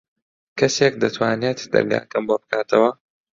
کەسێک دەتوانێت دەرگاکەم بۆ بکاتەوە؟